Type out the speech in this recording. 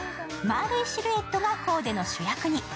丸いシルエットがコーデの主役。